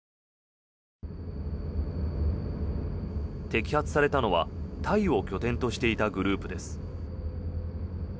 摘発されたのはタイを拠点としていたグループです。